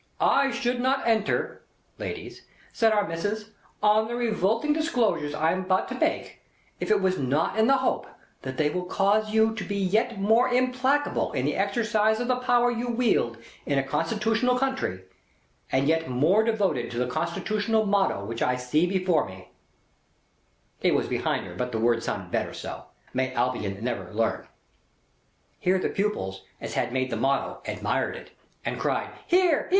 "I should not enter, ladies," says Our Missis, "on the revolting disclosures I am about to make, if it was not in the hope that they will cause you to be yet more implacable in the exercise of the power you wield in a constitutional country, and yet more devoted to the constitutional motto which I see before me;" it was behind her, but the words sounded better so; "'May Albion never learn!'" Here the pupils as had made the motto, admired it, and cried, "Hear! Hear!